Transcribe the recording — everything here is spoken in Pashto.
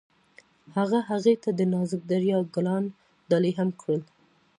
هغه هغې ته د نازک دریا ګلان ډالۍ هم کړل.